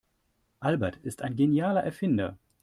Albert ist ein genialer Erfinder.